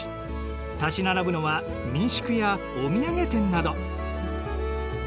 立ち並ぶのは民宿やお土産店など。